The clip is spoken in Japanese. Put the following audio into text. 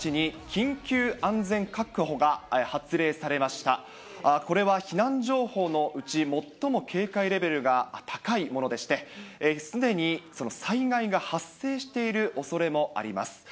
先ほど、これは避難情報のうち最も警戒レベルが高いものでして、すでに災害が発生しているおそれもあります。